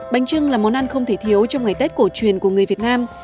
bánh trưng là món ăn không thể thiếu trong ngày tết cổ truyền của người việt nam